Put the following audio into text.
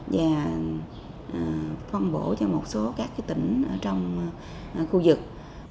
công bổ cho một số các cái tỉnh ở trong khu vực